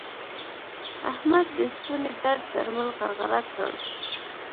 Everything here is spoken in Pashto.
احمد د ستوني درد درمل غرغړه کړل.